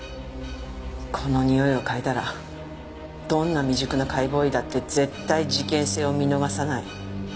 このにおいを嗅いだらどんな未熟な解剖医だって絶対事件性を見逃さない。